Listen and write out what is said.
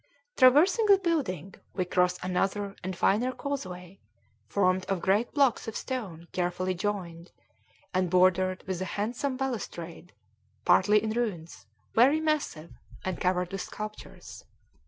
Traversing the building, we cross another and finer causeway, formed of great blocks of stone carefully joined, and bordered with a handsome balustrade, partly in ruins, very massive, and covered with sculptures.